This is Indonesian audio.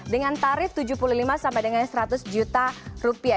dengan tarif tujuh puluh lima sampai dengan seratus juta rupiah